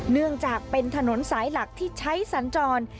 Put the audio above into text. เนื่องจากเป็นถนนสายหลักที่ใช้สัญจร